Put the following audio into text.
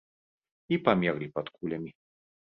І памерлі пад кулямі.